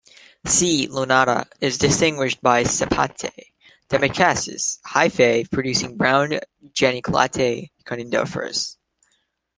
"C. lunata" is distinguished by septate, dematiaceous hyphae producing brown, geniculate conidiophores.